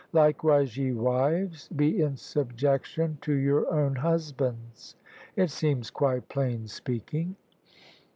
' Likewise ye wives, be in subjection to your own husbands!' It seems quite plain speaking."